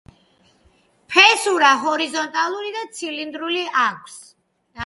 ფესურა ჰორიზონტალური და ცილინდრული აქვს.